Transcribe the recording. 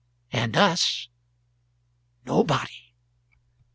. and us ... nobody."